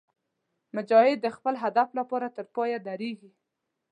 مجاهد د خپل هدف لپاره تر پایه درېږي.